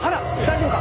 大丈夫？